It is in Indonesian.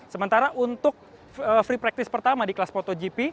sementara untuk free practice pertama di kelas motogp